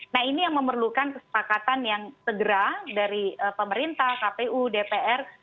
nah ini yang memerlukan kesepakatan yang segera dari pemerintah kpu dpr